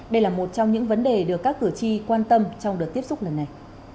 đây là một trong những vấn đề được các cửa chi quan tâm trong đợt tiếp xúc lần này